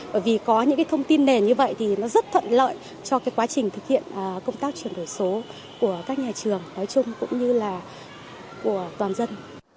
bởi vì có những thông tin nền như vậy thì nó rất thuận lợi cho quá trình thực hiện công tác chuyển đổi số của các nhà trường nói chung cũng như là của toàn dân